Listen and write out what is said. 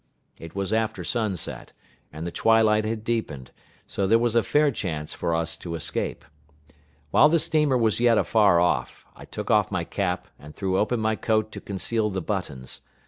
It was after sunset, and the twilight had deepened, so that there was a fair chance for us to escape. While the steamer was yet afar off, I took off my cap, and threw open my coat to conceal the buttons.